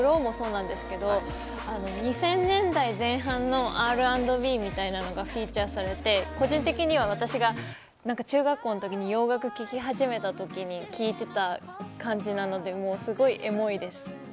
ＮｅｗＪｅａｎｓもＦＬＯもそうですけど、２０００年代前半のＲ＆Ｂみたいなのがフィーチャーされて、個人的には私が中学校の時に洋楽聴き始めた時に聴いていた感じなので、すごいエモいです。